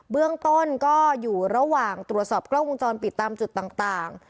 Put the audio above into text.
เบื้องต้นก็อยู่ระหว่างตรวจสอบกล้องวงจรปิดตามจุดต่าง